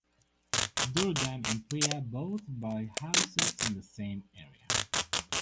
Durga and Priya both buy houses in the same area.